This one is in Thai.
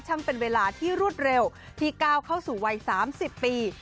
เป็นเวลาที่รวดเร็วที่ก้าวเข้าสู่วัย๓๐ปี